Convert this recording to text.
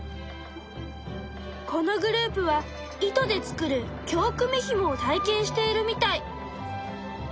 このグループは糸で作る京くみひもを体験しているみたい。